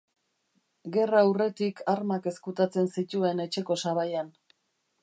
Gerra aurretik armak ezkutatzen zituen etxeko sabaian.